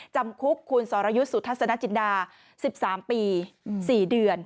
จำคุกคุณสรยุทธ์สุทัศนจินดา๑๓ปี๔เดือน